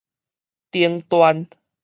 頂端